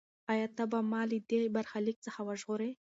ایا ته به ما له دې برخلیک څخه وژغورې؟